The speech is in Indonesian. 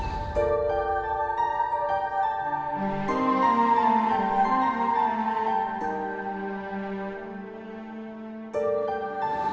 nah apa sih